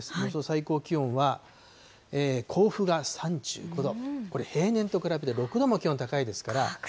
最高気温は、甲府が３５度、これ、平年と比べて６度も気温高いですから。